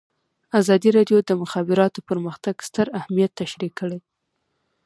ازادي راډیو د د مخابراتو پرمختګ ستر اهميت تشریح کړی.